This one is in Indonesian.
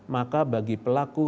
maka bagi pelaku